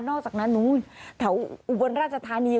อกจากนั้นนู้นแถวอุบลราชธานี